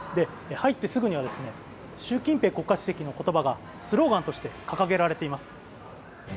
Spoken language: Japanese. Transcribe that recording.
入ってすぐには、習近平国家主席の言葉がスローガンとして掲げられています。